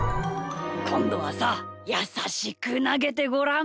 こんどはさやさしくなげてごらん。